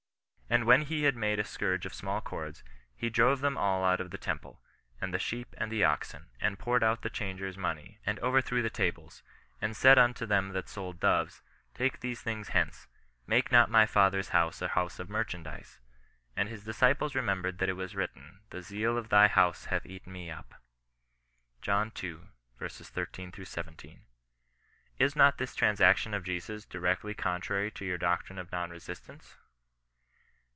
And when he had made a scourge of small cords, he drove them all out of the temple, and the sheep, and the oxen : and poured out the changers' money, and overthrew the tables; and said unto them that sold doves, take these things hence ; make not my Fathcr*s house a house of merchandize. And his disciples remembered that it was written, the zeal of thy house hath eaten me up." John ii. 13 — 17. Is not this transaction of Jesus directly contrary to your doctrine of non resistance